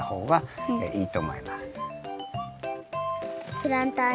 はい。